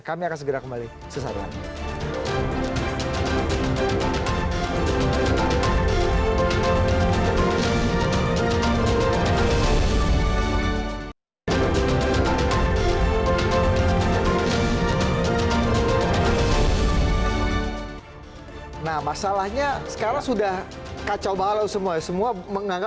kami akan segera kembali sesama